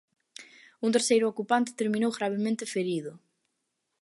Un terceiro ocupante terminou gravemente ferido.